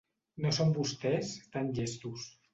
No són vostès tan llestos.